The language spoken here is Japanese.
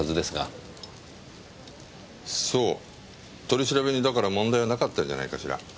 取り調べにだから問題はなかったんじゃないかしら。